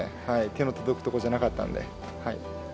手の届くところじゃなかったので。